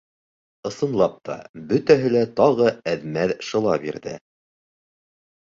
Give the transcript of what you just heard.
Ысынлап та, бөтәһе лә тағы әҙ-мәҙ шыла бирҙе.